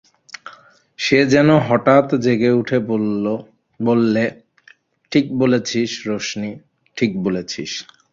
সে যেন হঠাৎ জেগে উঠে বললে, ঠিক বলেছিস রোশনি, ঠিক বলেছিস।